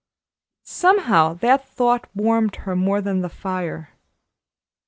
Somehow that thought warmed her more than the fire.